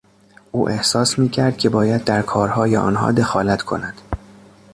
او احساس میکرد که باید در کارهای آنها دخالت کند.